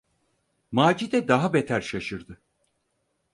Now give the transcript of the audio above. Macide daha beter şaşırdı.